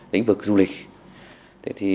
lĩnh vực du lịch